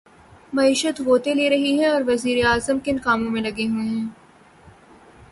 معیشت غوطے لے رہی ہے اور وزیر اعظم کن کاموں میں لگے ہوئے ہیں۔